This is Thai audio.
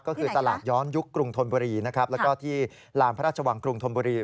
ก็คือตลาดย้อนยุคกรุงธนบุรีนะครับแล้วก็ที่ลานพระราชวังกรุงธนบุรี